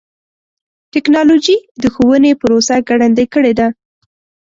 ټکنالوجي د ښوونې پروسه ګړندۍ کړې ده.